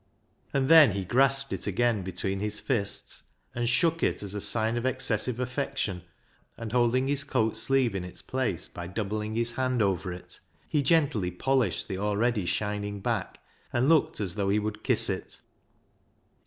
And then he grasped it again between his fists, and shook it as a sign of excessive affection, and holding his coat sleeve in its place by doubling his hand over it, he gently polished the already shining back, and looked as though he would kiss it.